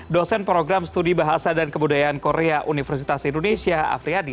dosen program studi bahasa dan kebudayaan korea universitas indonesia afriyadi